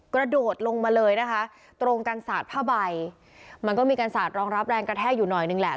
กระโดดลงมาเลยนะคะตรงกันสาดผ้าใบมันก็มีการสาดรองรับแรงกระแทกอยู่หน่อยนึงแหละ